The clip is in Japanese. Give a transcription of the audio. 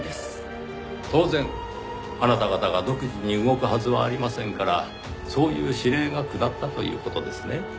当然あなた方が独自に動くはずはありませんからそういう指令が下ったという事ですね？